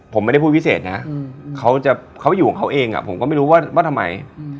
ผมไม่ได้พูดวิเศษนะอืมเขาจะเขาอยู่ของเขาเองอ่ะผมก็ไม่รู้ว่าว่าทำไม